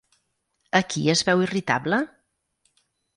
A qui es veu irritable?